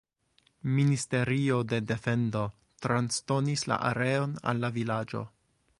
Ministerio de defendo transdonis la areon al la vilaĝo.